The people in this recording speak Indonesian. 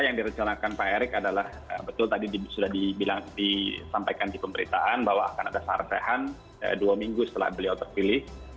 yang direncanakan pak erick adalah betul tadi sudah disampaikan di pemberitaan bahwa akan ada sarsehan dua minggu setelah beliau terpilih